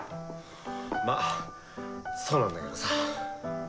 まっそうなんだけどさ。